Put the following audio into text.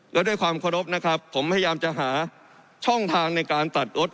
และด้วยความเคารพนะครับผมพยายามจะหาช่องทางในการตัดรถ